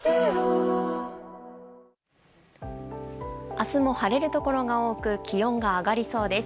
明日も晴れるところが多く気温が上がりそうです。